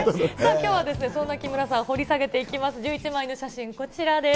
きょうはそんな木村さんを掘り下げていきます。